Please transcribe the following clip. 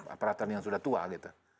aparatan yang sudah tua gitu